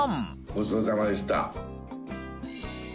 ごちそうさまでした。